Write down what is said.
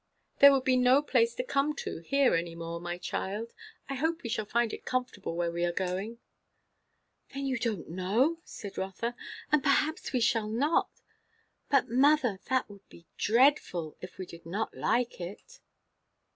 "There would be no place to come to, here, any more, my child. I hope we shall find it comfortable where we are going." "Then you don't know?" said Rotha. "And perhaps we shall not! But, mother, that would be dreadful, if we did not like it!"